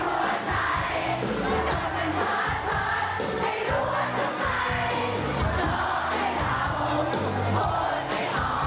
เพราะเธอให้เราพูดไม่ออกได้ไง